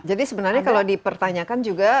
jadi sebenarnya kalau dipertanyakan juga